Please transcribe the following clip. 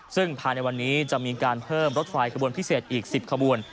ซึ่งภายในวันนี้จะมีการเพิ่มรถไฟขบวนพิเศษอีก๑๐ขบวน